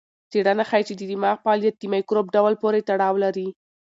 څېړنه ښيي چې د دماغ فعالیت د مایکروب ډول پورې تړاو لري.